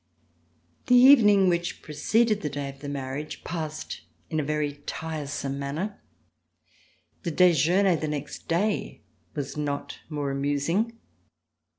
The evening which preceded the day of the marriage passed In a very tiresome manner. The dejeuner the next day was not more amusing.